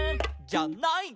「じゃない」